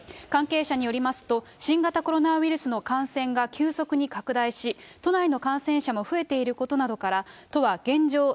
関係者によりますと、新型コロナウイルスの感染が急速に拡大し、都内の感染者も増えていることなどから、都は現状